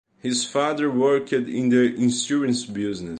His father worked in the insurance business.